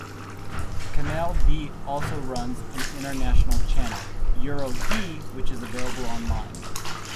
Kanal D also runs an international channel, Euro D which is available online.